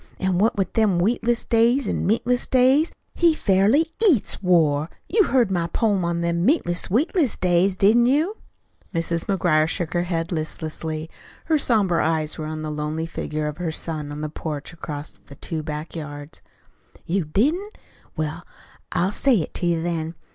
An' what with them wheatless days an' meatless days, he fairly EATS war. You heard my poem on them meatless, wheatless days, didn't you?" Mrs. McGuire shook her head listlessly. Her somber eyes were on the lonely figure of her son on the porch across the two back yards. "You didn't? Well, I'll say it to you, then.